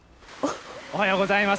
おはようございます。